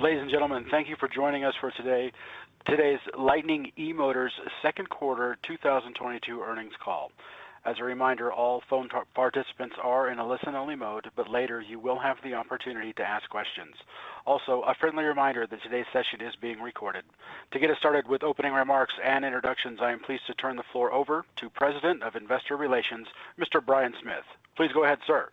Ladies and gentlemen, thank you for joining us for today's Lightning eMotors' second quarter 2022 earnings call. As a reminder, all phone participants are in a listen-only mode, but later you will have the opportunity to ask questions. Also, a friendly reminder that today's session is being recorded. To get us started with opening remarks and introductions, I am pleased to turn the floor over to President of Investor Relations, Mr. Brian Smith. Please go ahead, sir.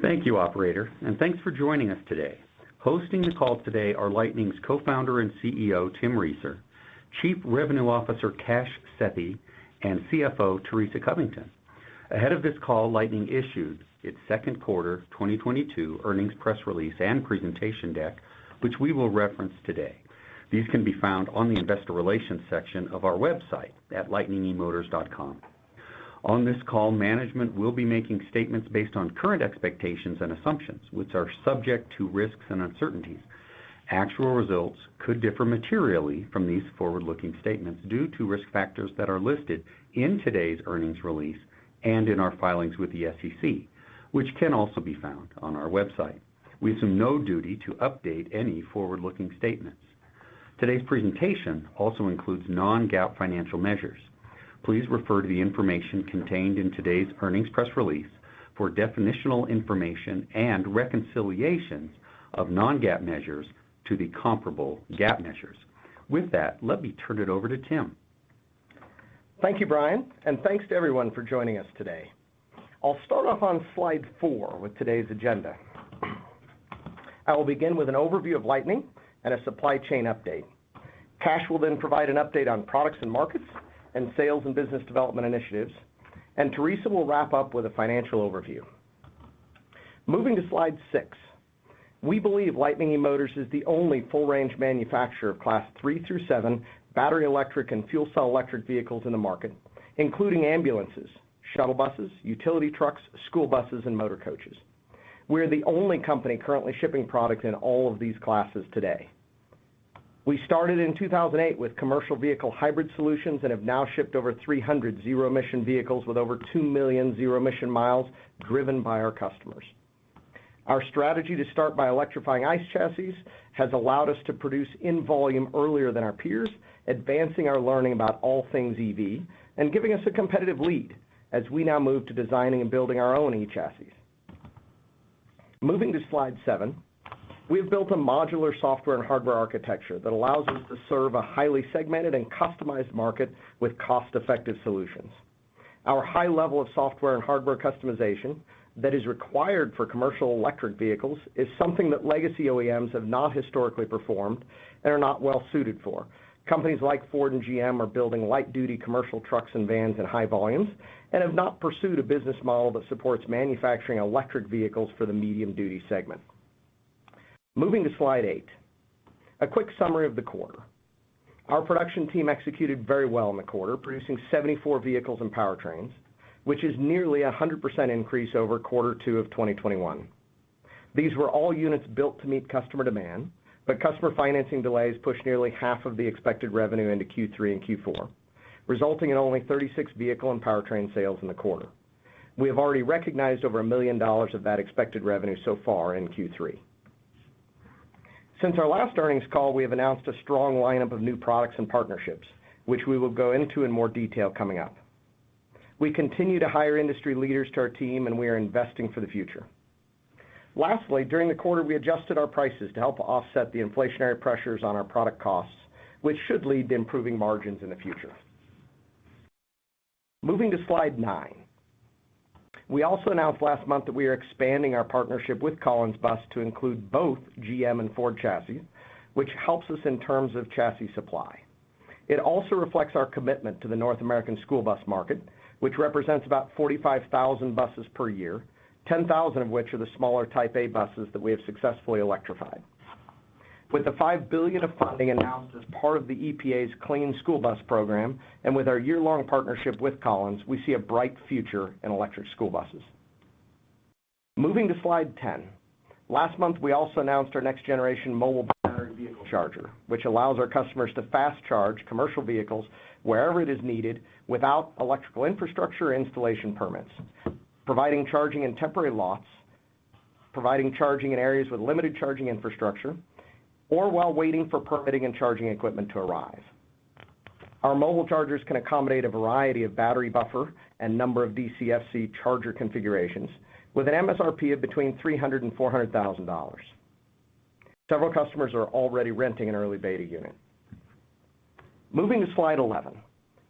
Thank you, operator, and thanks for joining us today. Hosting the call today are Lightning's Co-founder and CEO, Tim Reeser, Chief Revenue Officer, Kash Sethi, and CFO, Teresa Covington. Ahead of this call, Lightning issued its second quarter 2022 earnings press release and presentation deck, which we will reference today. These can be found on the investor relations section of our website at lightningemotors.com. On this call, management will be making statements based on current expectations and assumptions, which are subject to risks and uncertainties. Actual results could differ materially from these forward-looking statements due to risk factors that are listed in today's earnings release and in our filings with the SEC, which can also be found on our website. We assume no duty to update any forward-looking statements. Today's presentation also includes non-GAAP financial measures. Please refer to the information contained in today's earnings press release for definitional information and reconciliations of non-GAAP measures to the comparable GAAP measures. With that, let me turn it over to Tim. Thank you, Brian, and thanks to everyone for joining us today. I'll start off on slide four with today's agenda. I will begin with an overview of Lightning and a supply chain update. Kash will then provide an update on products and markets and sales and business development initiatives, and Theresa will wrap up with a financial overview. Moving to slide six. We believe Lightning eMotors is the only full range manufacturer of Class III through seven battery electric and fuel cell electric vehicles in the market, including ambulances, shuttle buses, utility trucks, school buses, and motor coaches. We are the only company currently shipping products in all of these classes today. We started in 2008 with commercial vehicle hybrid solutions and have now shipped over 300 Zero-Emission Vehicles with over 2 million Zero-Emission Miles driven by our customers. Our strategy to start by electrifying ICE chassis has allowed us to produce in volume earlier than our peers, advancing our learning about all things EV and giving us a competitive lead as we now move to designing and building our own eChassis. Moving to slide seven. We have built a modular software and hardware architecture that allows us to serve a highly segmented and customized market with cost-effective solutions. Our high level of software and hardware customization that is required for commercial electric vehicles is something that legacy OEMs have not historically performed and are not well suited for. Companies like Ford and GM are building light-duty commercial trucks and vans in high volumes and have not pursued a business model that supports manufacturing electric vehicles for the medium-duty segment. Moving to slide eight. A quick summary of the quarter. Our production team executed very well in the quarter, producing 74 vehicles and powertrains, which is nearly a 100% increase over Q2 of 2021. These were all units built to meet customer demand, but customer financing delays pushed nearly half of the expected revenue into Q3 and Q4, resulting in only 36 vehicle and powertrain sales in the quarter. We have already recognized over a million of that expected revenue so far in Q3. Since our last earnings call, we have announced a strong lineup of new products and partnerships, which we will go into in more detail coming up. We continue to hire industry leaders to our team, and we are investing for the future. Lastly, during the quarter, we adjusted our prices to help offset the inflationary pressures on our product costs, which should lead to improving margins in the future. Moving to slide nine. We also announced last month that we are expanding our partnership with Collins Bus to include both GM and Ford chassis, which helps us in terms of chassis supply. It also reflects our commitment to the North American school bus market, which represents about 45,000 buses per year, 10,000 of which are the smaller type A buses that we have successfully electrified. With the $5 billion of funding announced as part of the EPA's Clean School Bus program and with our year-long partnership with Collins, we see a bright future in electric school buses. Moving to slide ten. Last month, we also announced our next-generation mobile battery vehicle charger, which allows our customers to fast-charge commercial vehicles wherever it is needed without electrical infrastructure or installation permits, providing charging in temporary lots, providing charging in areas with limited charging infrastructure, or while waiting for permitting and charging equipment to arrive. Our mobile chargers can accommodate a variety of battery buffer and number of DCFC charger configurations with an MSRP of between $300,000 and $400,000. Several customers are already renting an early beta unit. Moving to slide 11.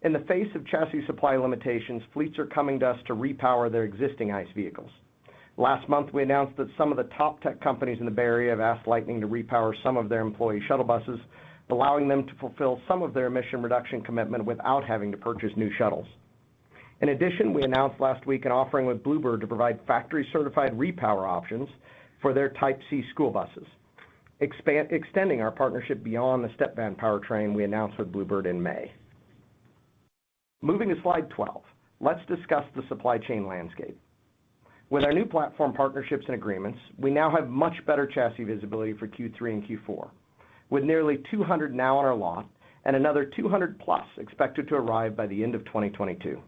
In the face of chassis supply limitations, fleets are coming to us to Repower their existing ICE vehicles. Last month, we announced that some of the top tech companies in the Bay Area have asked Lightning to repower some of their employee shuttle buses, allowing them to fulfill some of their emission reduction commitment without having to purchase new shuttles. In addition, we announced last week an offering with Blue Bird to provide factory-certified repower options for their type C school buses, extending our partnership beyond the step van powertrain we announced with Blue Bird in May. Moving to slide 12. Let's discuss the supply chain landscape. With our new platform partnerships and agreements, we now have much better chassis visibility for Q3 and Q4, with nearly 200 now on our lot and another 200+ expected to arrive by the end of 2022.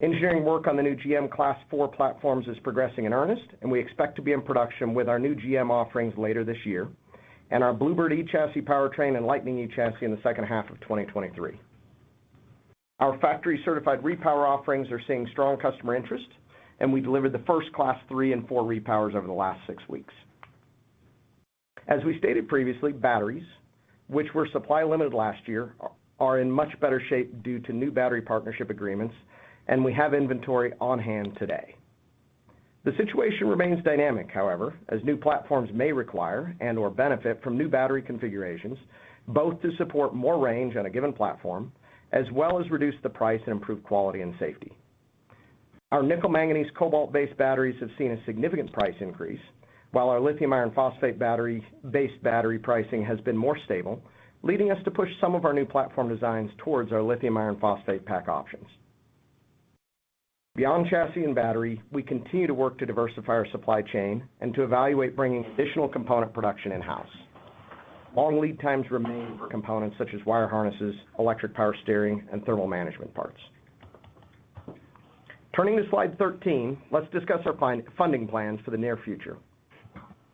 Engineering work on the new GM Class IV platforms is progressing in earnest, and we expect to be in production with our new GM offerings later this year, and our Blue Bird eChassis powertrain and Lightning eChassis in the second half of 2023. Our factory-certified Repower offerings are seeing strong customer interest, and we delivered the first Class III and IV repowers over the last 6 weeks. As we stated previously, batteries, which were supply limited last year, are in much better shape due to new battery partnership agreements, and we have inventory on hand today. The situation remains dynamic, however, as new platforms may require and or benefit from new battery configurations, both to support more range on a given platform, as well as reduce the price and improve quality and safety. Our nickel manganese cobalt-based batteries have seen a significant price increase, while our lithium iron phosphate-based battery pricing has been more stable, leading us to push some of our new platform designs towards our lithium iron phosphate pack options. Beyond Chassis and battery, we continue to work to diversify our supply chain and to evaluate bringing additional component production in-house. Long lead times remain for components such as wire harnesses, electric power steering, and thermal management parts. Turning to slide 13, let's discuss our funding plans for the near future.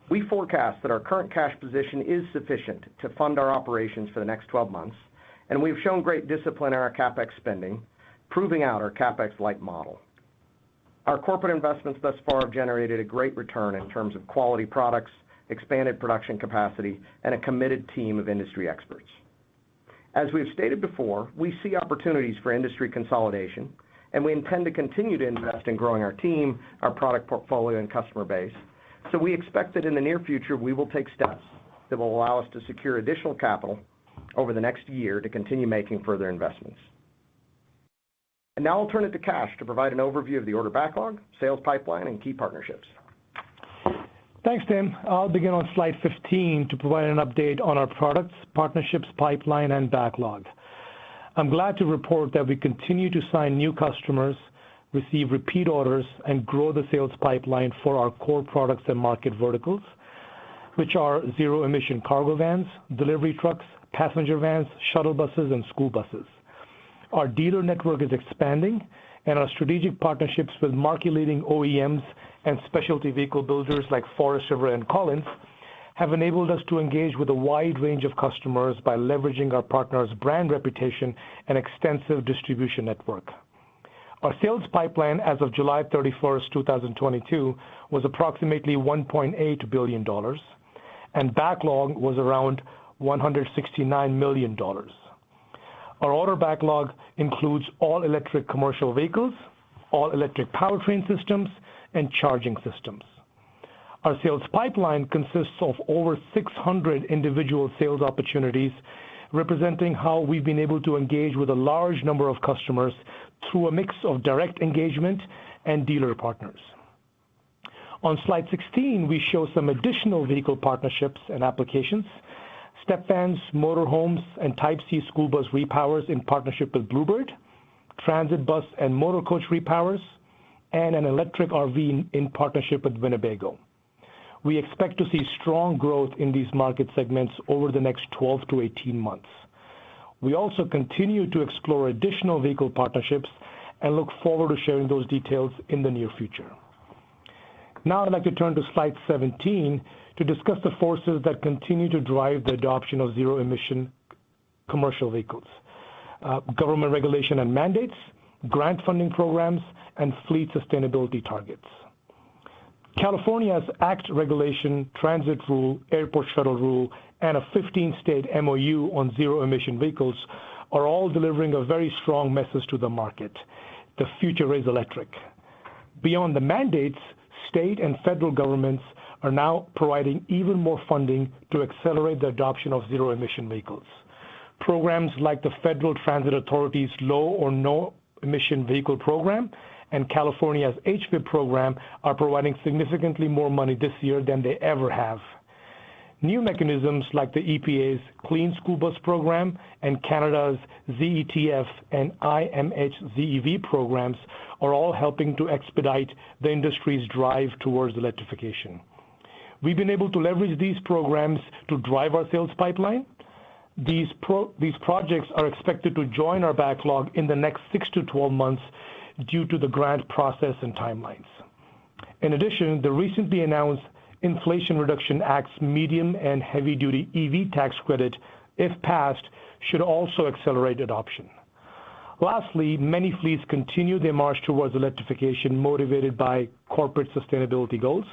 We forecast that our current cash position is sufficient to fund our operations for the next 12 months, and we've shown great discipline in our CapEx spending, proving out our CapEx-light model. Our corporate investments thus far have generated a great return in terms of quality products, expanded production capacity, and a committed team of industry experts. As we have stated before, we see opportunities for industry consolidation, and we intend to continue to invest in growing our team, our product portfolio and customer base. We expect that in the near future, we will take steps that will allow us to secure additional capital over the next year to continue making further investments. Now I'll turn it to Kash to provide an overview of the order backlog, sales pipeline, and key partnerships. Thanks, Tim. I'll begin on slide 15 to provide an update on our products, partnerships, pipeline, and backlog. I'm glad to report that we continue to sign new customers, receive repeat orders, and grow the sales pipeline for our core products and market verticals, which are Zero-emission cargo vans, delivery trucks, passenger vans, shuttle buses, and school buses. Our dealer network is expanding and our strategic partnerships with market-leading OEMs and specialty vehicle builders like Forest River and Collins have enabled us to engage with a wide range of customers by leveraging our partners' brand reputation and extensive distribution network. Our sales pipeline as of July 31, 2022, was approximately $1.8 billion, and backlog was around $169 million. Our order backlog includes all electric commercial vehicles, all electric powertrain systems, and charging systems. Our sales pipeline consists of over 600 individual sales opportunities, representing how we've been able to engage with a large number of customers through a mix of direct engagement and dealer partners. On slide 16, we show some additional vehicle partnerships and applications. Step vans, motor homes, and Type C school bus repowers in partnership with Blue Bird, transit bus and motor coach repowers, and an electric RV in partnership with Winnebago. We expect to see strong growth in these market segments over the next 12-18 months. We also continue to explore additional vehicle partnerships and look forward to sharing those details in the near future. Now I'd like to turn to slide 17 to discuss the forces that continue to drive the adoption of Zero-Emission Commercial Vehicles, government regulation and mandates, grant funding programs, and fleet sustainability targets. California's ACT regulation, transit rule, airport shuttle rule, and a 15-state MOU on Zero-Emission Vehicles are all delivering a very strong message to the market. The future is electric. Beyond the mandates, state and federal governments are now providing even more funding to accelerate the adoption of Zero-Emission Vehicles. Programs like the Federal Transit Administration's Low or No Emission Program and California's HVIP program are providing significantly more money this year than they ever have. New mechanisms like the EPA's Clean School Bus program and Canada's ZETF and iMHZEV programs are all helping to expedite the industry's drive towards electrification. We've been able to leverage these programs to drive our sales pipeline. These projects are expected to join our backlog in the next six to 12 months due to the grant process and timelines. In addition, the recently announced Inflation Reduction Act's medium and heavy-duty EV tax credit, if passed, should also accelerate adoption. Lastly, many fleets continue their march towards electrification motivated by corporate sustainability goals.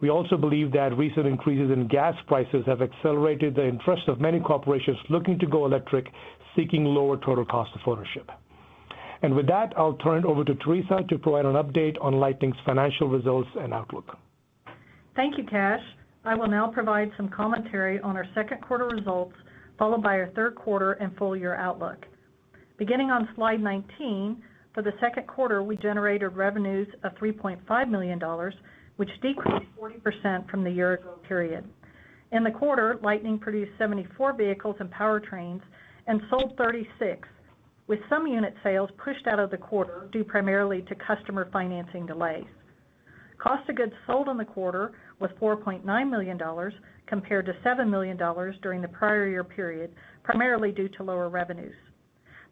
We also believe that recent increases in gas prices have accelerated the interest of many corporations looking to go electric, seeking lower total cost of ownership. With that, I'll turn it over to Teresa to provide an update on Lightning's financial results and outlook. Thank you, Kash. I will now provide some commentary on our second quarter results, followed by our third quarter and full-year outlook. Beginning on slide 19, for the second quarter, we generated revenues of $3.5 million, which decreased 40% from the year-ago period. In the quarter, Lightning produced 74 vehicles and powertrains and sold 36, with some unit sales pushed out of the quarter due primarily to customer financing delays. Cost of goods sold in the quarter was $4.9 million compared to $7 million during the prior year period, primarily due to lower revenues.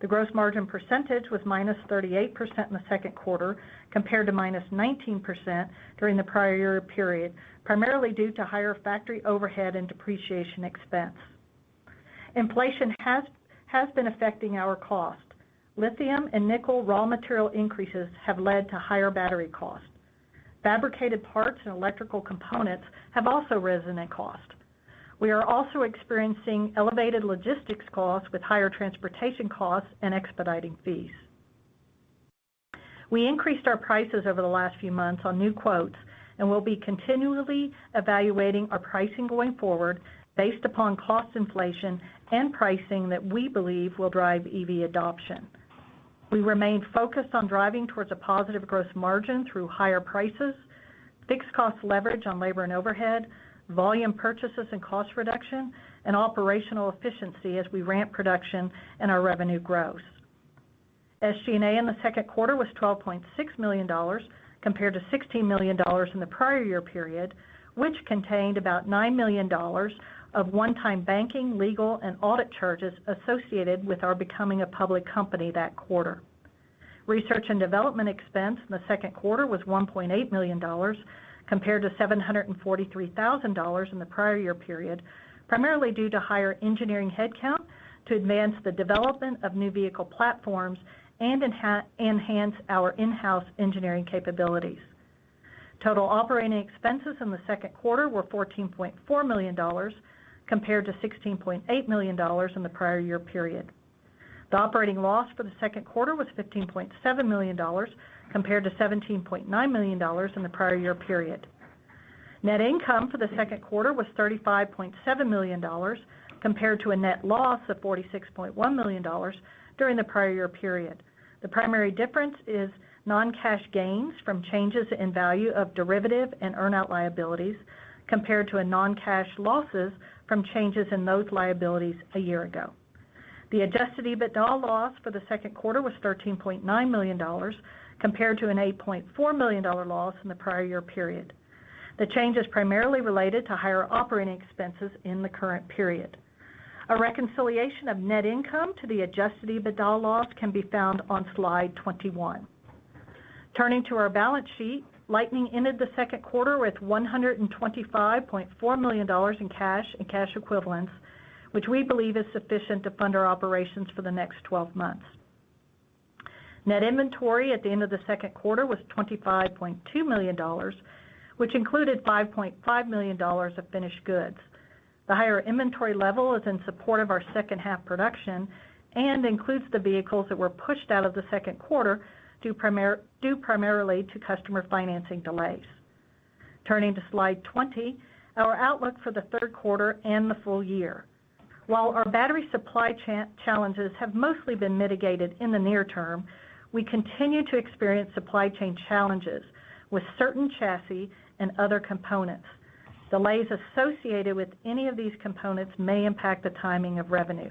The gross margin percentage was -38% in the second quarter compared to -19% during the prior year period, primarily due to higher factory overhead and depreciation expense. Inflation has been affecting our cost. Lithium and nickel raw material increases have led to higher battery costs. Fabricated parts and electrical components have also risen in cost. We are also experiencing elevated logistics costs with higher transportation costs and expediting fees. We increased our prices over the last few months on new quotes, and we'll be continually evaluating our pricing going forward based upon cost inflation and pricing that we believe will drive EV adoption. We remain focused on driving towards a positive gross margin through higher prices, fixed cost leverage on labor and overhead, volume purchases and cost reduction, and operational efficiency as we ramp production and our revenue grows. SG&A in the second quarter was $12.6 million compared to $16 million in the prior year period, which contained about $9 million of one-time banking, legal, and audit charges associated with our becoming a public company that quarter. Research and development expense in the second quarter was $1.8 million compared to $743,000 in the prior year period, primarily due to higher engineering headcount to advance the development of new vehicle platforms and enhance our in-house engineering capabilities. Total operating expenses in the second quarter were $14.4 million compared to $16.8 million in the prior year period. The operating loss for the second quarter was $15.7 million compared to $17.9 million in the prior year period. Net income for the second quarter was $35.7 million compared to a net loss of $46.1 million during the prior year period. The primary difference is non-cash gains from changes in value of derivative and earn out liabilities compared to a non-cash losses from changes in those liabilities a year ago. The Adjusted EBITDA loss for the second quarter was $13.9 million compared to an $8.4 million dollar loss in the prior year period. The change is primarily related to higher operating expenses in the current period. A reconciliation of net income to the Adjusted EBITDA loss can be found on slide 21. Turning to our balance sheet, Lightning ended the second quarter with $125.4 million in cash and cash equivalents, which we believe is sufficient to fund our operations for the next 12 months. Net inventory at the end of the second quarter was $25.2 million, which included $5.5 million of finished goods. The higher inventory level is in support of our second half production and includes the vehicles that were pushed out of the second quarter due primarily to customer financing delays. Turning to slide 20, our outlook for the third quarter and the full year. While our battery supply challenges have mostly been mitigated in the near term, we continue to experience supply chain challenges with certain chassis and other components. Delays associated with any of these components may impact the timing of revenue.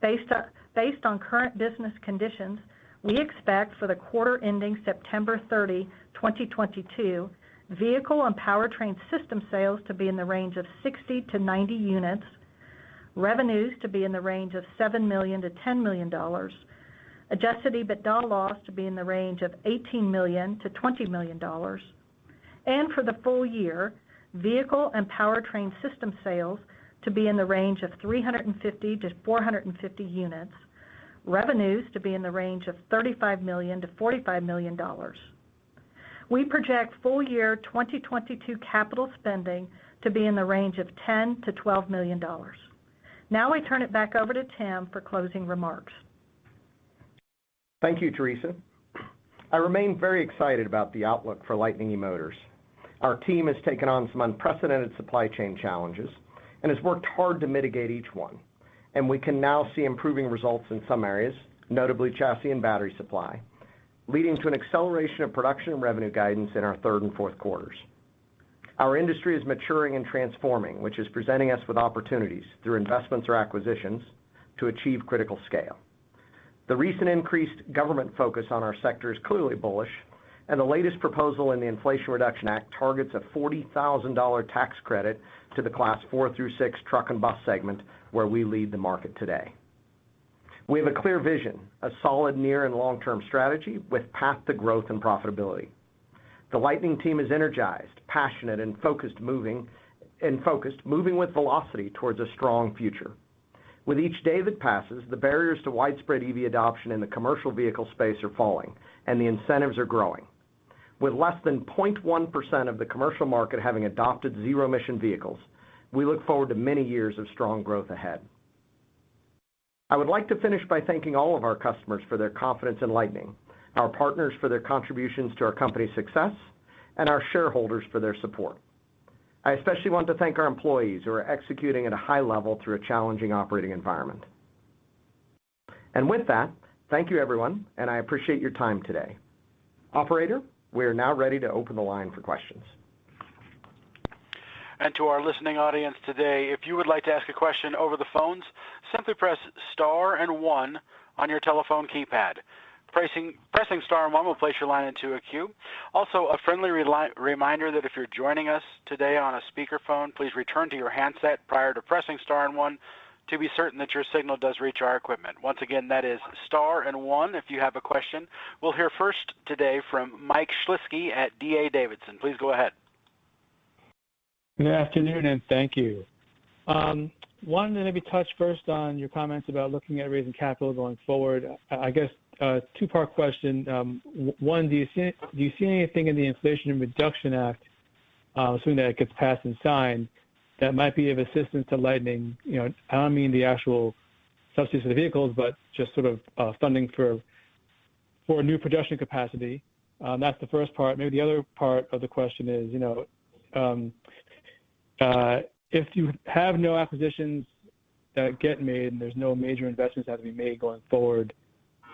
Based on current business conditions, we expect for the quarter ending September 30, 2022, vehicle and powertrain system sales to be in the range of 60-90 units, revenues to be in the range of $7 million-$10 million, Adjusted EBITDA loss to be in the range of $18 million-$20 million, and for the full year, vehicle and powertrain system sales to be in the range of 350-450 units, revenues to be in the range of $35 million-$45 million. We project full year 2022 capital spending to be in the range of $10 million-$12 million. Now, I turn it back over to Tim for closing remarks. Thank you, Teresa. I remain very excited about the outlook for Lightning eMotors. Our team has taken on some unprecedented supply chain challenges and has worked hard to mitigate each one, and we can now see improving results in some areas, notably chassis and battery supply, leading to an acceleration of production and revenue guidance in our third and fourth quarters. Our industry is maturing and transforming, which is presenting us with opportunities through investments or acquisitions to achieve critical scale. The recent increased government focus on our sector is clearly bullish, and the latest proposal in the Inflation Reduction Act targets a $40,000 tax credit to the Class IV through VI truck and bus segment, where we lead the market today. We have a clear vision, a solid near and long-term strategy with path to growth and profitability. The Lightning team is energized, passionate, and focused, moving with velocity towards a strong future. With each day that passes, the barriers to widespread EV adoption in the commercial vehicle space are falling, and the incentives are growing. With less than 0.1% of the commercial market having adopted Zero-Emission Vehicles, we look forward to many years of strong growth ahead. I would like to finish by thanking all of our customers for their confidence in Lightning, our partners for their contributions to our company's success, and our shareholders for their support. I especially want to thank our employees who are executing at a high level through a challenging operating environment. With that, thank you everyone, and I appreciate your time today. Operator, we are now ready to open the line for questions. To our listening audience today, if you would like to ask a question over the phones, simply press star and one on your telephone keypad. Pressing star and one will place your line into a queue. Also, a friendly reminder that if you're joining us today on a speakerphone, please return to your handset prior to pressing star and one to be certain that your signal does reach our equipment. Once again, that is star and one, if you have a question. We'll hear first today from Mike Shlisky at D.A. Davidson. Please go ahead. Good afternoon, and thank you. One, let me touch first on your comments about looking at raising capital going forward. I guess, two-part question. One, do you see anything in the Inflation Reduction Act, assuming that it gets passed and signed, that might be of assistance to Lightning? You know, I don't mean the actual subsidies for the vehicles, but just sort of, funding for new production capacity. That's the first part. Maybe the other part of the question is, you know, if you have no acquisitions that get made, and there's no major investments that have to be made going forward,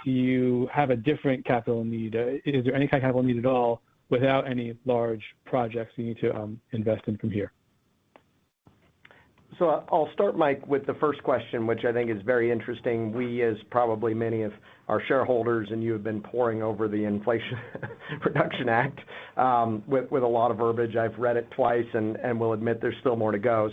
do you have a different capital need? Is there any capital need at all without any large projects you need to invest in from here? I'll start, Mike, with the first question, which I think is very interesting. We, as probably many of our shareholders and you, have been poring over the Inflation Reduction Act, with a lot of verbiage. I've read it twice and will admit there's still more to go.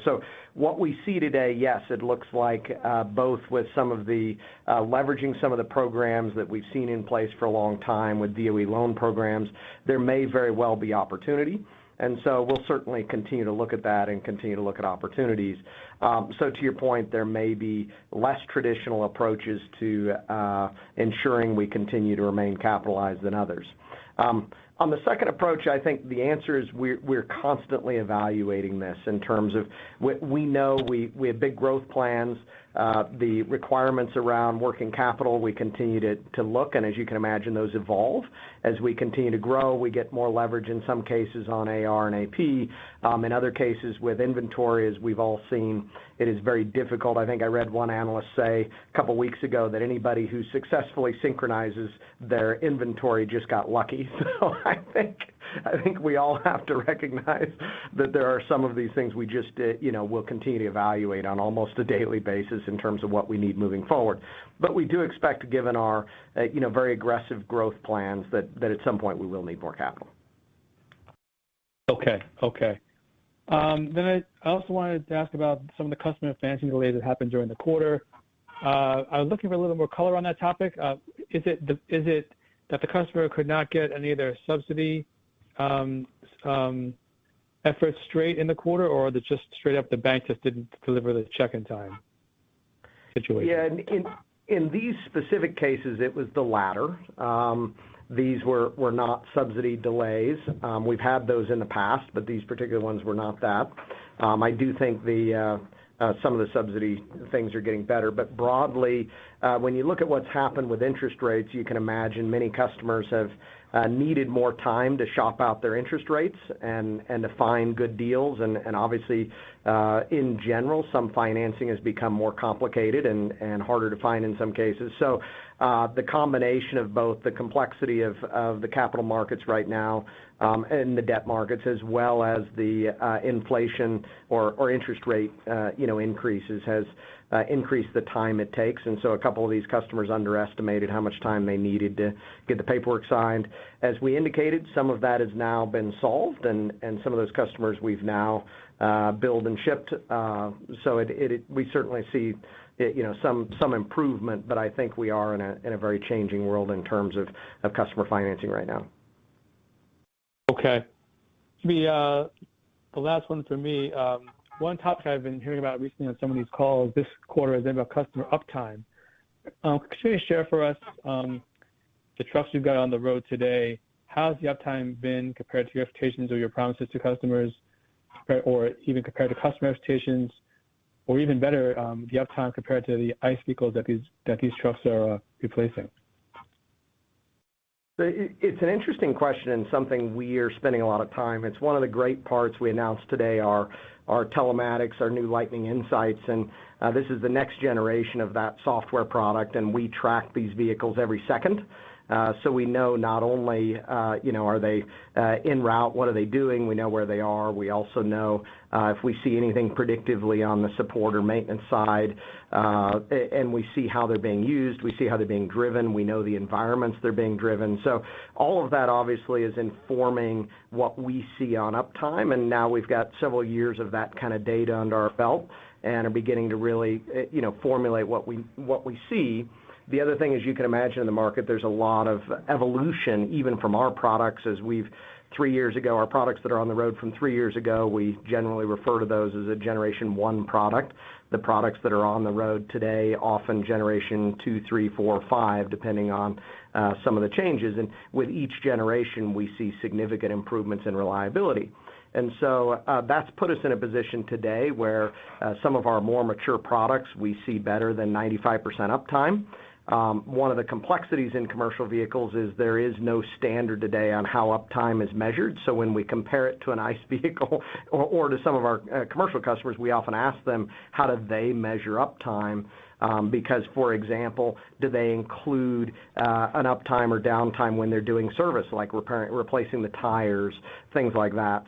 What we see today, yes, it looks like both with some of the leveraging some of the programs that we've seen in place for a long time with DOE Loan Programs, there may very well be opportunity. We'll certainly continue to look at that and continue to look at opportunities. To your point, there may be less traditional approaches to ensuring we continue to remain capitalized than others. On the second approach, I think the answer is we're constantly evaluating this in terms of we know we have big growth plans. The requirements around working capital, we continue to look and as you can imagine, those evolve. As we continue to grow, we get more leverage in some cases on AR and AP. In other cases with inventory, as we've all seen, it is very difficult. I think I read one analyst say a couple weeks ago that anybody who successfully synchronizes their inventory just got lucky. I think we all have to recognize that there are some of these things we'll continue to evaluate on almost a daily basis in terms of what we need moving forward. But we do expect, given our, you know, very aggressive growth plans, that at some point we will need more capital. Okay, I also wanted to ask about some of the customer financing delays that happened during the quarter. I was looking for a little more color on that topic. Is it that the customer could not get any of their subsidy efforts straight in the quarter, or that just straight up the bank just didn't deliver the check in time situation? Yeah. In these specific cases, it was the latter. These were not subsidy delays. We've had those in the past, but these particular ones were not that. I do think some of the subsidy things are getting better. Broadly, when you look at what's happened with interest rates, you can imagine many customers have needed more time to shop out their interest rates and to find good deals. Obviously, in general, some financing has become more complicated and harder to find in some cases. The combination of both the complexity of the capital markets right now, and the debt markets as well as the inflation or interest rate you know increases has increased the time it takes. A couple of these customers underestimated how much time they needed to get the paperwork signed. As we indicated, some of that has now been solved and some of those customers we've now billed and shipped. We certainly see, you know, some improvement, but I think we are in a very changing world in terms of customer financing right now. Okay. The last one for me, one topic I've been hearing about recently on some of these calls this quarter has been about customer uptime. Could you share for us the trucks you've got on the road today, how's the uptime been compared to your expectations or your promises to customers, or even compared to customer expectations, or even better, the uptime compared to the ICE vehicles that these trucks are replacing? It's an interesting question and something we are spending a lot of time. It's one of the great parts we announced today, our telematics, our new Lightning Insights, and this is the next generation of that software product, and we track these vehicles every second. We know not only you know are they en route, what are they doing, we know where they are. We also know if we see anything predictively on the support or maintenance side, and we see how they're being used, we see how they're being driven, we know the environments they're being driven. All of that obviously is informing what we see on uptime, and now we've got several years of that kind of data under our belt and are beginning to really you know formulate what we see. The other thing is, you can imagine in the market, there's a lot of evolution, even from our products. Three years ago, our products that are on the road from three years ago, we generally refer to those as a generation one product. The products that are on the road today, often generation two, three, four, five, depending on some of the changes. With each generation, we see significant improvements in reliability. That's put us in a position today where some of our more mature products, we see better than 95% uptime. One of the complexities in commercial vehicles is there is no standard today on how uptime is measured. When we compare it to an ICE vehicle or to some of our commercial customers, we often ask them, how do they measure uptime? Because, for example, do they include an uptime or downtime when they're doing service, like replacing the tires, things like that.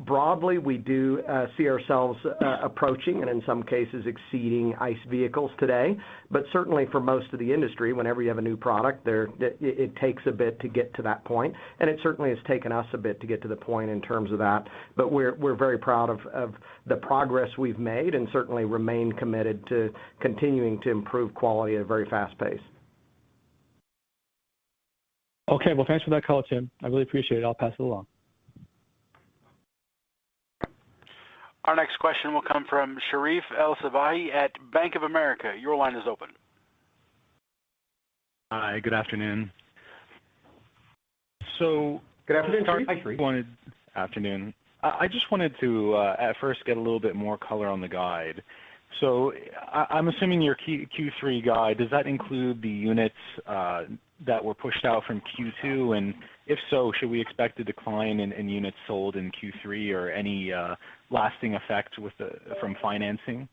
Broadly, we do see ourselves approaching and in some cases exceeding ICE vehicles today. Certainly for most of the industry, whenever you have a new product there, it takes a bit to get to that point. It certainly has taken us a bit to get to the point in terms of that. We're very proud of the progress we've made and certainly remain committed to continuing to improve quality at a very fast pace. Okay. Well, thanks for that call, Tim. I really appreciate it. I'll pass it along. Our next question will come from Sharif El-Sabbahy at Bank of America. Your line is open. Hi, good afternoon. Good afternoon, Sharif. Afternoon. I just wanted to at first get a little bit more color on the guide. I'm assuming your Q3 guide, does that include the units that were pushed out from Q2? And if so, should we expect a decline in units sold in Q3 or any lasting effect from financing?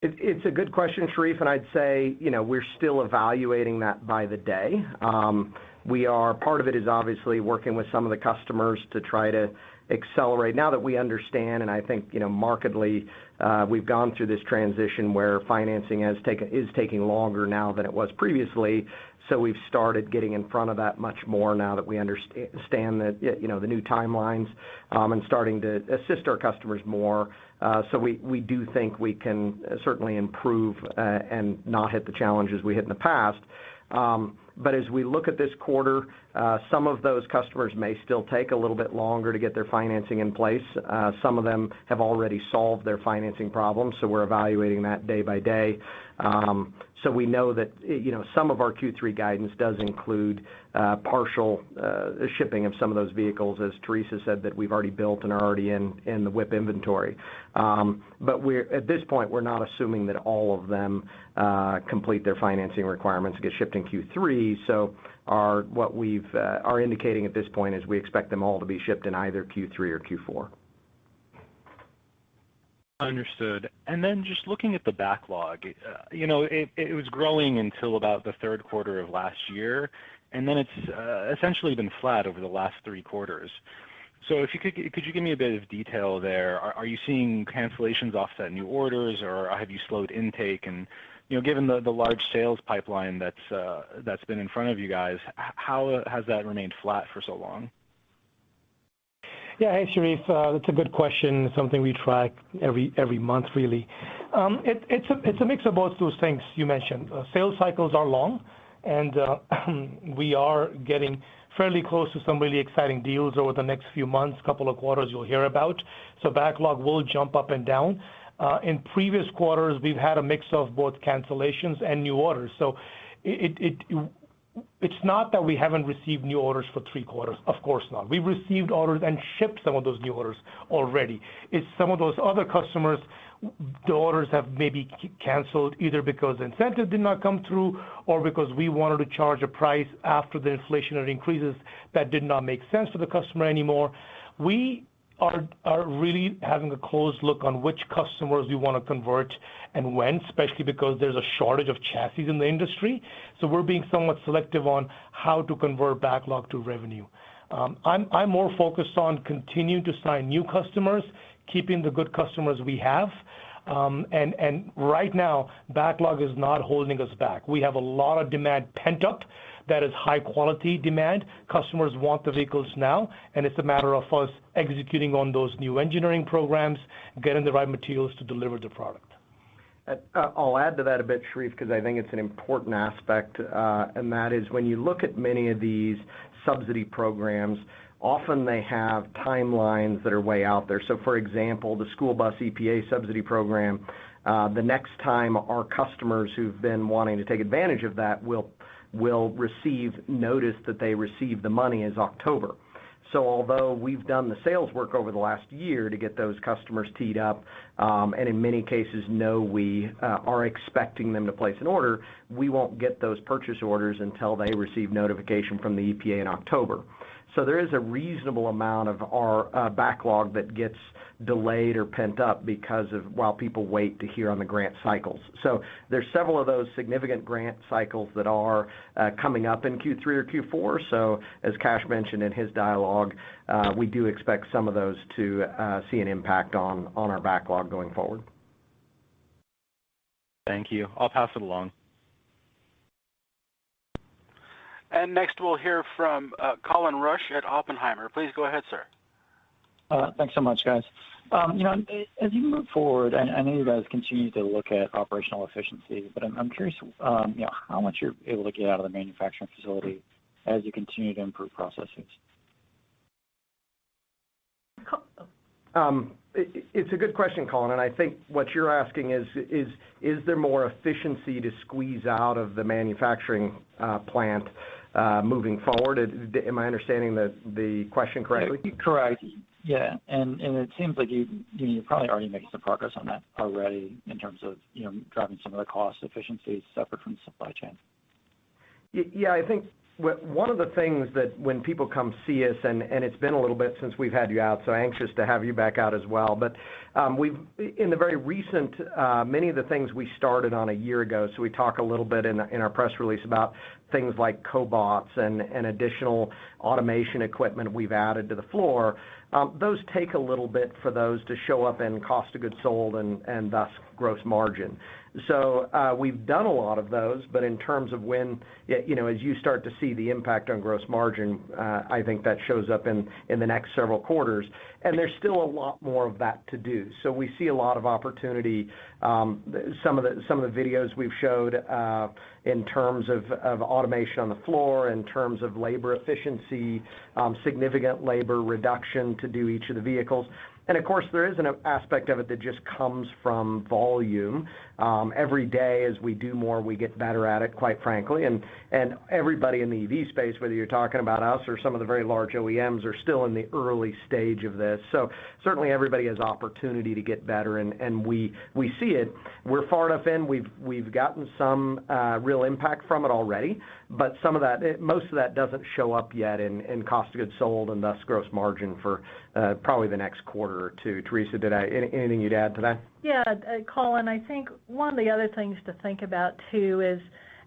It's a good question, Sharif, and I'd say, you know, we're still evaluating that by the day. Part of it is obviously working with some of the customers to try to accelerate. Now that we understand, and I think, you know, markedly, we've gone through this transition where financing is taking longer now than it was previously. So we've started getting in front of that much more now that we understand that, you know, the new timelines, and starting to assist our customers more. So we do think we can certainly improve, and not hit the challenges we hit in the past. But as we look at this quarter, some of those customers may still take a little bit longer to get their financing in place. Some of them have already solved their financing problems, so we're evaluating that day by day. We know that, you know, some of our Q3 guidance does include partial shipping of some of those vehicles, as Teresa said, that we've already built and are already in the WIP inventory. At this point, we're not assuming that all of them complete their financing requirements get shipped in Q3. What we've are indicating at this point is we expect them all to be shipped in either Q3 or Q4. Understood. And then just looking at the backlog, you know, it was growing until about the third quarter of last year, and then it's essentially been flat over the last three quarters. So if you could give me a bit of detail there? Are you seeing cancellations offset new orders, or have you slowed intake? You know given the large sales pipeline that's been in front of you guys, how has that remained flat for so long? Yeah. Hey, Sharif. That's a good question. Something we track every month, really. It's a mix of both those things you mentioned. Sales cycles are long, and we are getting fairly close to some really exciting deals over the next few months, couple of quarters you'll hear about. Backlog will jump up and down. In previous quarters, we've had a mix of both cancellations and new orders. It's not that we haven't received new orders for three quarters, of course not. We've received orders and shipped some of those new orders already. It's some of those other customers the orders have maybe canceled, either because incentive did not come through or because we wanted to charge a price after the inflationary increases that did not make sense to the customer anymore. We are really having a close look on which customers we wanna convert and when, especially because there's a shortage of chassis in the industry. So we're being somewhat selective on how to convert backlog to revenue. I'm more focused on continuing to sign new customers, keeping the good customers we have. And right now, backlog is not holding us back. We have a lot of demand pent up that is high quality demand. Customers want the vehicles now, and it's a matter of us executing on those new engineering programs, getting the right materials to deliver the product. I'll add to that a bit, Sherif, because I think it's an important aspect. That is when you look at many of these subsidy programs, often they have timelines that are way out there. So for example, the School Bus EPA Subsidy Program, the next time our customers who've been wanting to take advantage of that will receive notice that they receive the money is October. Although we've done the sales work over the last year to get those customers teed up, and in many cases know we are expecting them to place an order, we won't get those purchase orders until they receive notification from the EPA in October. There is a reasonable amount of our backlog that gets delayed or pent up because of while people wait to hear on the grant cycles. There's several of those significant grant cycles that are coming up in Q3 or Q4. As Cash mentioned in his dialogue, we do expect some of those to see an impact on our backlog going forward. Thank you. I'll pass it along. Next we'll hear from Colin Rusch at Oppenheimer. Please go ahead, sir. Thanks so much, guys. You know, as you move forward, I know you guys continue to look at operational efficiencies, but I'm curious, you know, how much you're able to get out of the manufacturing facility as you continue to improve processes? It's a good question, Colin, and I think what you're asking is there more efficiency to squeeze out of the manufacturing plant moving forward? Am I understanding the question correctly? Correct. Yeah. It seems like you probably already making some progress on that already in terms of, you know, driving some of the cost efficiencies separate from supply chain. Yeah, I think one of the things that when people come see us, and it's been a little bit since we've had you out, so anxious to have you back out as well. In the very recent, many of the things we started on a year ago, so we talk a little bit in our press release about things like cobots and additional automation equipment we've added to the floor. Those take a little bit for those to show up in cost of goods sold and thus gross margin. We've done a lot of those, but in terms of when, you know, as you start to see the impact on gross margin, I think that shows up in the next several quarters. There's still a lot more of that to do. We see a lot of opportunity, some of the videos we've showed in terms of automation on the floor, in terms of labor efficiency, significant labor reduction to do each of the vehicles. Of course, there is an aspect of it that just comes from volume. Every day as we do more, we get better at it, quite frankly. Everybody in the EV space, whether you're talking about us or some of the very large OEMs, are still in the early stage of this. Certainly, everybody has opportunity to get better, and we see it. We're far enough in, we've gotten some real impact from it already. But some of that, most of that doesn't show up yet in cost of goods sold and thus gross margin for probably the next quarter or two. Theresa, anything you'd add to that? Yeah, Colin, I think one of the other things to think about, too, is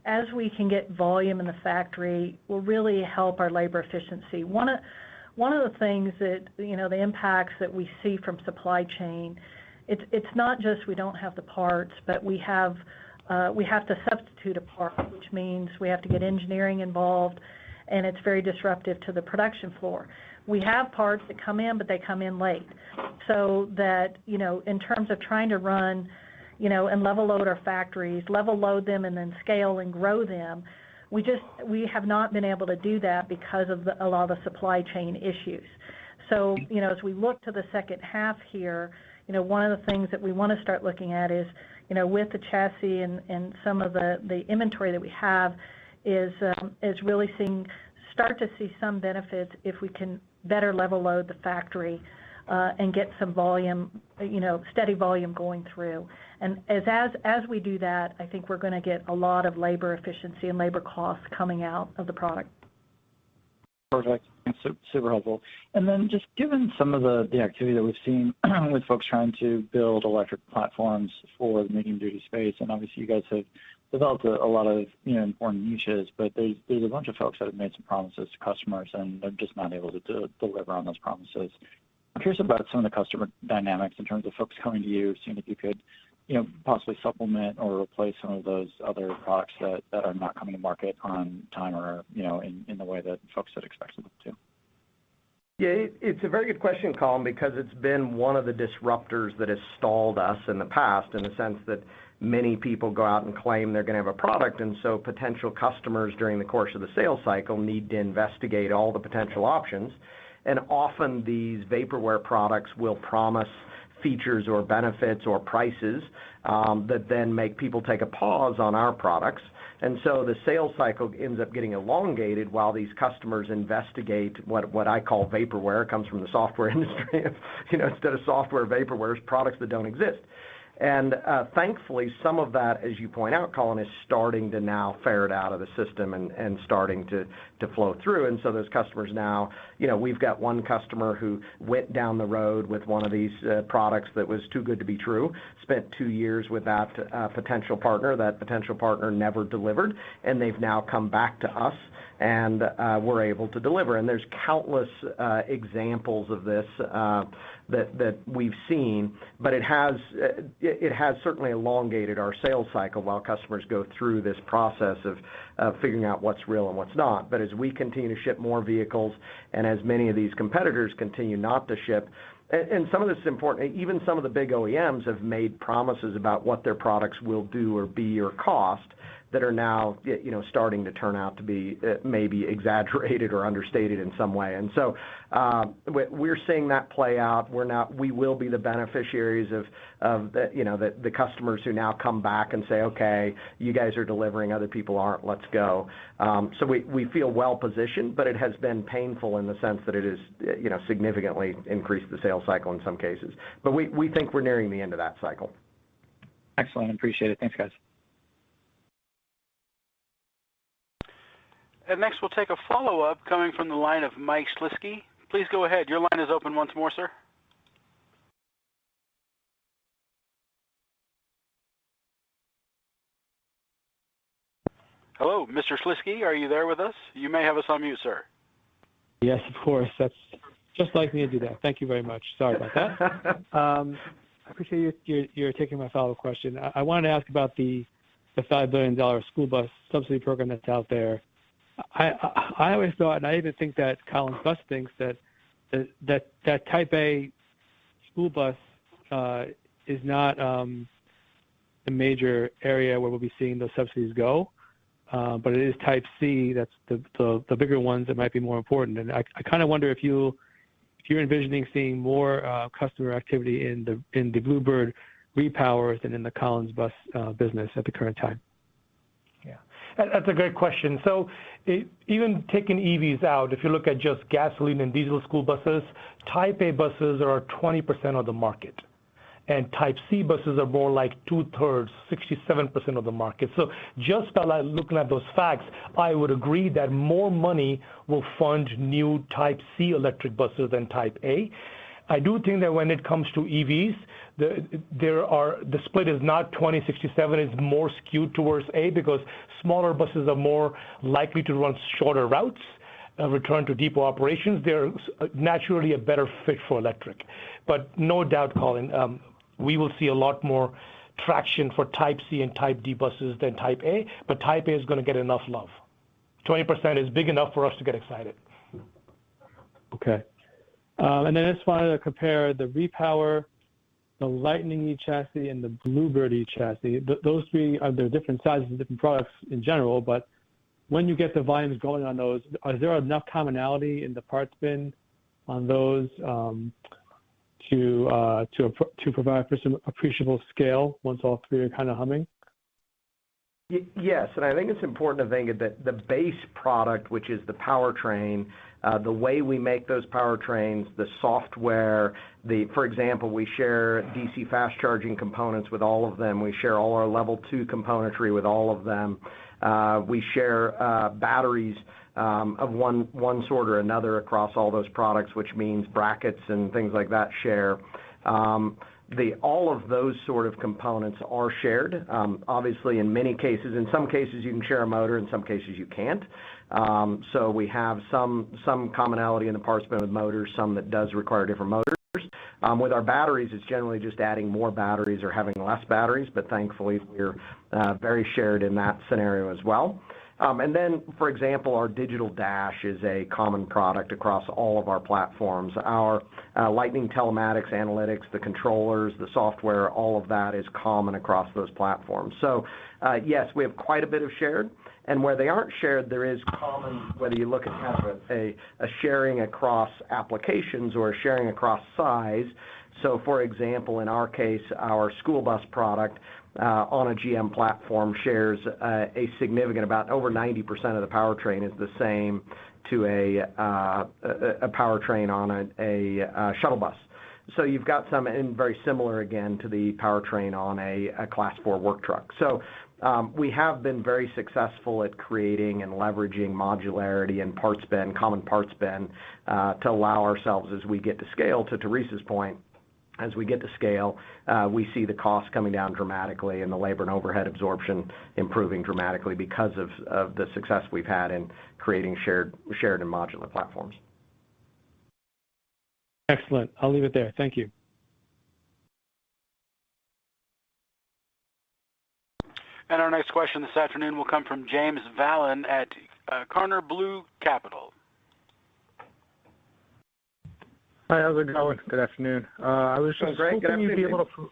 as we can get volume in the factory, will really help our labor efficiency. One of the things that, you know, the impacts that we see from supply chain, it's not just we don't have the parts, but we have to substitute a part, which means we have to get engineering involved, and it's very disruptive to the production floor. We have parts that come in, but they come in late. So that, you know, in terms of trying to run, you know, and level load our factories, and then scale and grow them, we just, we have not been able to do that because of a lot of the supply chain issues. So you know, as we look to the second half here, you know, one of the things that we wanna start looking at is, you know with the Chassis and some of the inventory that we have is start to see some benefits if we can better level load the factory and get some volume, you know, steady volume going through. As we do that, I think we're gonna get a lot of labor efficiency and labor costs coming out of the product. Perfect. That's super helpful. And then, just given some of the activity that we've seen with folks trying to build electric platforms for the medium duty space, and obviously you guys have developed a lot of, you know, important niches, but there's a bunch of folks that have made some promises to customers, and they're just not able to deliver on those promises. I'm curious about some of the customer dynamics in terms of folks coming to you, seeing if you could, you know, possibly supplement or replace some of those other products that are not coming to market on time or, you know, in the way that folks had expected them to. Yeah, it's a very good question, Colin, because it's been one of the disruptors that has stalled us in the past in the sense that many people go out and claim they're gonna have a product, and so potential customers during the course of the sales cycle need to investigate all the potential options. And often these vaporware products will promise features or benefits or prices that then make people take a pause on our products. And so the sales cycle ends up getting elongated while these customers investigate what I call vaporware, comes from the software industry. You know, instead of software, vaporware is products that don't exist. And thankfully, some of that, as you point out, Colin, is starting to now ferret out of the system and starting to flow through. So those customers now, you know, we've got one customer who went down the road with one of these products that was too good to be true, spent two years with that potential partner. That potential partner never delivered, and they've now come back to us, and we're able to deliver. There's countless examples of this that we've seen, but it has certainly elongated our sales cycle while customers go through this process of figuring out what's real and what's not. But as we continue to ship more vehicles and as many of these competitors continue not to ship. Some of this is important. Even some of the big OEMs have made promises about what their products will do or be or cost that are now, you know, starting to turn out to be maybe exaggerated or understated in some way. And so, we're seeing that play out. We will be the beneficiaries of the customers who now come back and say, "Okay, you guys are delivering, other people aren't. Let's go." So we feel well positioned, but it has been painful in the sense that it has, you know, significantly increased the sales cycle in some cases. We think we're nearing the end of that cycle. Excellent. Appreciate it. Thanks, guys. Next, we'll take a follow-up coming from the line of Mike Shlisky. Please go ahead. Your line is open once more, sir. Hello, Mr. Shlisky, are you there with us? You may have us on mute, sir. Yes, of course. That's just like me to do that. Thank you very much. Sorry about that. I appreciate you taking my follow-up question. I wanted to ask about the $5 billion school bus subsidy program that's out there. I always thought, and I even think that Collins Bus thinks that Type A school bus is not a major area where we'll be seeing those subsidies go. But it is Type C that's the bigger ones that might be more important. I kinda wonder if you're envisioning seeing more customer activity in the Blue Bird Repower than in the Collins Bus business at the current time. Yeah. That, that's a great question. Even taking EVs out, if you look at just gasoline and diesel school buses, Type A buses are 20% of the market, and Type C buses are more like two-thirds, 67% of the market. So just by looking at those facts, I would agree that more money will fund new Type C electric buses than Type A. I do think that when it comes to EVs, the split is not 20/67. It's more skewed towards A because smaller buses are more likely to run shorter routes, return to depot operations. They're naturally a better fit for electric. But mo doubt, Collin, we will see a lot more traction for Type C and Type D buses than Type A, but Type A is gonna get enough love. 20% is big enough for us to get excited. Okay. I just wanted to compare the Repower, the Lightning eChassis, and the Blue Bird eChassis. Those three are the different sizes and different products in general, but when you get the volumes going on those, are there enough commonality in the parts bin on those, to provide for some appreciable scale once all three are kind of humming? Yes, I think it's important to think of the base product, which is the powertrain, the way we make those powertrains, the software. For example, we share DC fast-charging components with all of them. We share all our Level 2 componentry with all of them. We share batteries of one sort or another across all those products, which means brackets and things like that share. All of those sort of components are shared. Obviously in many cases. In some cases you can share a motor, in some cases you can't. And we have some commonality in the parts bin with motors, some that does require different motors. With our batteries, it's generally just adding more batteries or having less batteries, but thankfully we're very shared in that scenario as well. And then for example, our digital dash is a common product across all of our platforms. Our Lightning Telematics analytics, the controllers, the software, all of that is common across those platforms. Yes, we have quite a bit of shared and where they aren't shared, there is common whether you look at kind of a sharing across applications or sharing across size. For example, in our case, our school bus product on a GM platform shares a significant about over 90% of the powertrain is the same to a powertrain on a shuttle bus. You've got some and very similar again to the powertrain on a Class IV work truck. We have been very successful at creating and leveraging modularity and common parts bin to allow ourselves as we get to scale, to Teresa's point, as we get to scale we see the cost coming down dramatically and the labor and overhead absorption improving dramatically because of the success we've had in creating shared and modular platforms. Excellent. I'll leave it there. Thank you. Our next question this afternoon will come from James Vallon at Karner Blue Capital. Hi, how's it going? Good afternoon. I was just. Doing great. Good afternoon to you.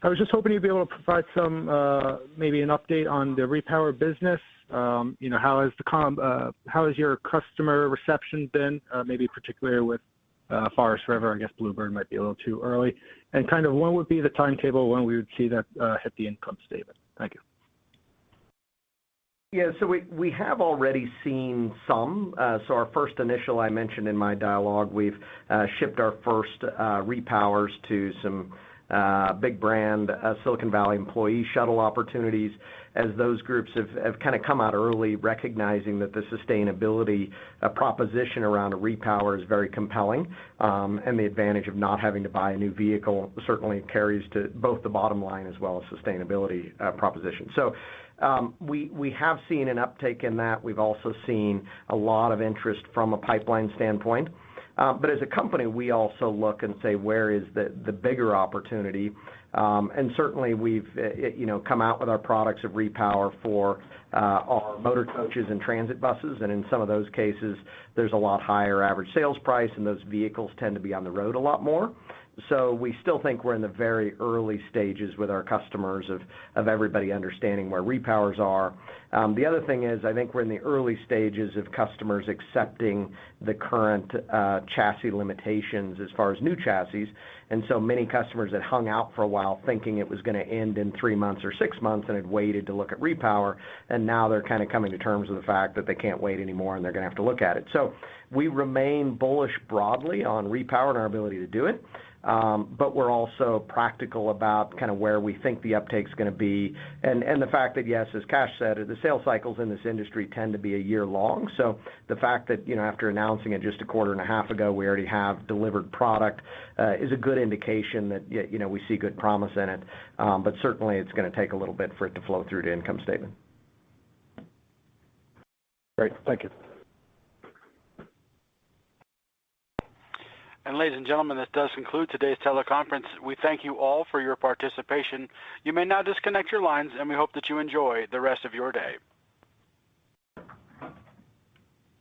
I was just hoping you'd be able to provide some, maybe an update on the Repower business. You know, how has your customer reception been, maybe particularly with Forest River? I guess Blue Bird might be a little too early. And kind of what would be the timetable when we would see that hit the income statement? Thank you. We have already seen some. As I mentioned in my initial dialogue, we've shipped our first Repowers to some big brand at Silicon Valley employee shuttle opportunities as those groups have kind of come out early recognizing that the sustainability proposition around a Repower is very compelling. The advantage of not having to buy a new vehicle certainly carries to both the bottom line as well as sustainability proposition. So, we have seen an uptick in that. We've also seen a lot of interest from a pipeline standpoint. As a company we also look and say, "Where is the bigger opportunity?" And certainly we've you know come out with our products of Repower for our motor coaches and transit buses. And in some of those cases, there's a lot higher average sales price, and those vehicles tend to be on the road a lot more. We still think we're in the very early stages with our customers of everybody understanding where Repowers are. The other thing is, I think we're in the early stages of customers accepting the current chassis limitations as far as new chassis. Many customers that hung out for a while thinking it was gonna end in three months or six months and had waited to look at Repower. Now they're kind of coming to terms with the fact that they can't wait anymore and they're gonna have to look at it. So we remain bullish broadly on Repower and our ability to do it. We're also practical about kind of where we think the uptake's gonna be and the fact that, yes, as Kash said, the sales cycles in this industry tend to be a year long. So to the fact that, you know, after announcing it just a quarter and a half ago, we already have delivered product is a good indication that yeah, you know, we see good promise in it. But certainly it's gonna take a little bit for it to flow through to income statement. Great. Thank you. Ladies and gentlemen, this does conclude today's teleconference. We thank you all for your participation. You may now disconnect your lines, and we hope that you enjoy the rest of your day.